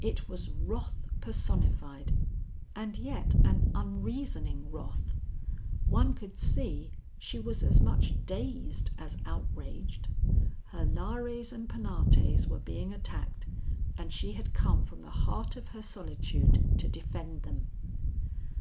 It was wrath personified, and yet an unreasoning wrath. One could see she was as much dazed as outraged. Her lares and penates were being attacked, and she had come from the heart of her solitude to defend them.